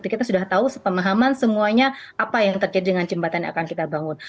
kita sudah tahu sepemahaman semuanya apa yang terkait dengan jembatan yang akan kita bangun